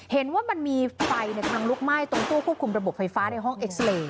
เห็นว่ามันมีไฟกำลังลุกไหม้ตรงตู้ควบคุมระบบไฟฟ้าในห้องเอ็กซาเรย์